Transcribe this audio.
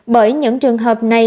bởi những trường hợp này